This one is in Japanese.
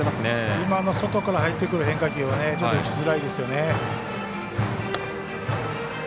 今の外から入ってくる変化球はちょっと打ちづらいですよね。